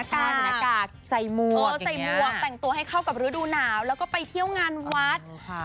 หวานมากเขาไปเที่ยวงานวัด